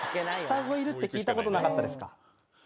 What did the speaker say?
双子いるって聞いたことなかったですか？